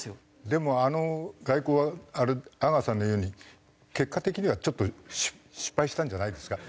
でもあの外交は阿川さんの言うように結果的にはちょっと失敗したんじゃないですか？